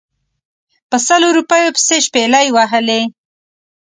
په سلو روپیو پسې شپلۍ وهلې.